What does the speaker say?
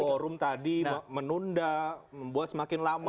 soal kuorum tadi menunda membuat semakin lama